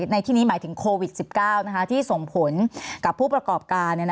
ในที่นี้หมายถึงโควิด๑๙ที่ส่งผลกับผู้ประกอบการ